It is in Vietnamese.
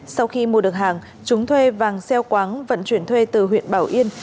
sau khi mua được hàng chúng thuê vàng xeo quáng vận chuyển thuê từ huyện bảo yên